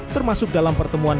termasuk dalam pertemuan